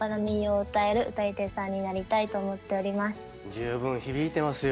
十分響いてますよ。